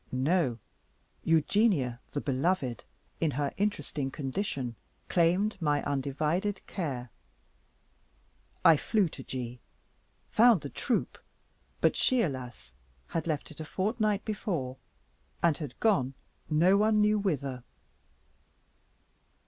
No, Eugenia, the beloved, in her interesting condition, claimed my undivided care. I flew to G , found the troop; but she, alas! had left it a fortnight before, and had gone no one knew whither.